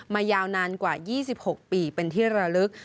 ยาวนานกว่า๒๖ปีเป็นที่ระลึก